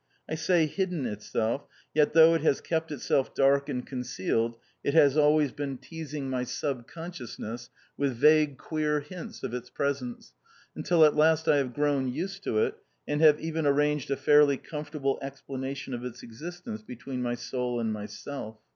I say hidden itself; yet, though it has kept itself dark and concealed, it has always been teasing my sub consciousness with vague queer hints of its presence, until at last I have grown used to it, and have even arranged a fairly comfortable explanation of its existence between my soul and myself.